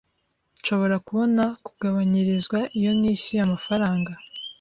Nshobora kubona kugabanyirizwa iyo nishyuye amafaranga?